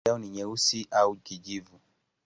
Kwa kawaida rangi yao ni nyeusi au kijivu.